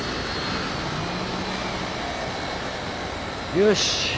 よし。